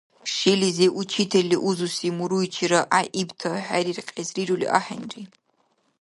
Шилизив учительли узуси муруйчира гӀяйибта хӀериркьес рирули ахӀенри.